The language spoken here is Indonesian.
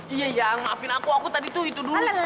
iya ya maafin aku aku tadi tuh itu dulu